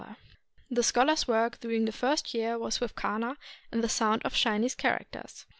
The scholar's work during the first year was with kana and the sound of the Chinese characters.